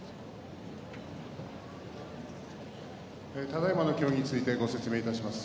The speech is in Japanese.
ただいまの協議についてご説明します。